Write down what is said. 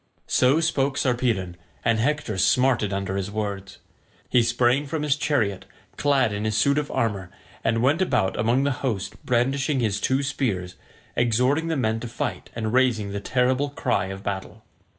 So spoke Sarpedon, and Hector smarted under his words. He sprang from his chariot clad in his suit of armour, and went about among the host brandishing his two spears, exhorting the men to fight and raising the terrible cry of battle.